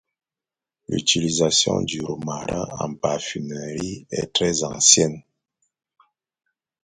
L'utilisation du romarin en parfumerie est très ancienne.